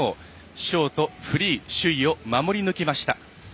ショート、フリー首位を守り抜きました。